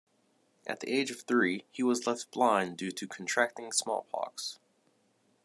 At the age of three, he was left blind due to contracting smallpox.